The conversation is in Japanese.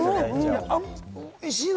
おいしいわ！